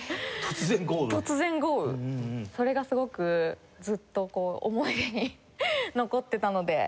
それがすごくずっと思い出に残ってたので。